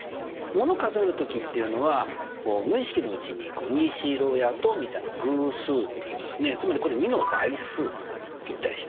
もの数える時っていうのは無意識のうちに２４６８１０みたいな偶数っていいますねつまりこれ２の倍数といったりします。